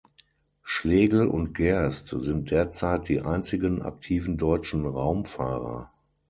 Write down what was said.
Schlegel und Gerst sind derzeit die einzigen aktiven deutschen Raumfahrer.